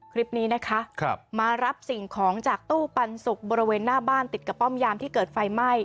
คลิปนี้นะคะมารับสิ่งของจากตู้ปันสุกบริเวณหน้าบ้านติดกับป้อมยามที่เกิดไฟไหม้